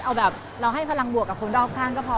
เอาแบบเราให้พลังบวกกับคนรอบข้างก็พอ